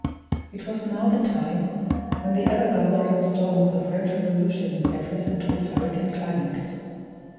It was now the time when the ever gathering storm of the French Revolution had risen to its hurricane climax.